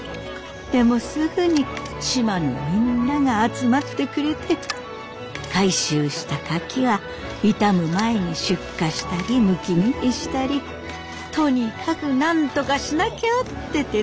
でもすぐに島のみんなが集まってくれて回収したカキは傷む前に出荷したりむき身にしたりとにかくなんとかしなきゃって手伝ってくれています。